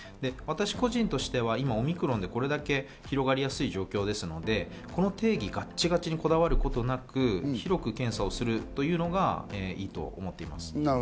私個人としては今、オミクロンでこれだけ広がりやすい状況ですので、この定義、ガッチガチにこだわることなく、広く検査をするというのがいいと思っています。